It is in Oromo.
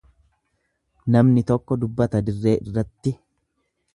Namni tokko dubbata dirree irratti.